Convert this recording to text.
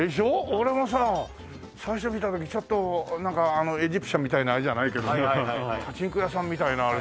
俺もさ最初見た時ちょっとなんかエジプシャンみたいなあれじゃないけどパチンコ屋さんみたいなあれ。